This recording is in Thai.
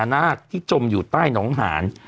สวัสดีครับคุณผู้ชม